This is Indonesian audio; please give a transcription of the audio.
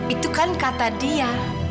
itu kan kata dia